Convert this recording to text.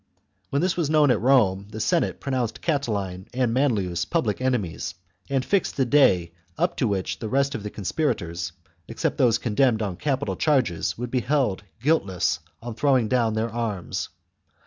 When this was known at Rome, the Senate pronounced Catiline and Manlius public enemies, and fixed a day, up to which the rest of the conspirators, except those condemned on capital charges, would be held guiltless on throwing down their arms.